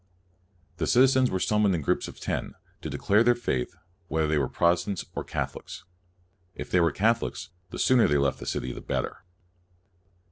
The citizens were summoned in groups of ten, to declare their faith, whether they were Protestants or Catholics. If they were Catholics, the sooner they left the city the better.